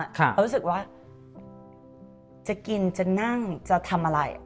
เรารู้สึกว่าจะกินจะนั่งจะทำอะไร